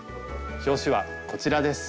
表紙はこちらです。